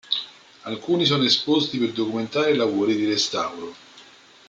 Alcuni sono esposti per documentare lavori di restauro.